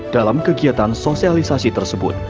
dalam kegiatan sosialisasi tersebut